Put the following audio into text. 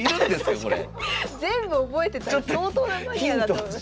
全部覚えてたら相当なマニアだと思いますよ。